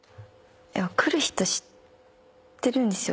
来る人知ってるんですよ